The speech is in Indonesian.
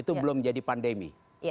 itu belum menjadi pandemi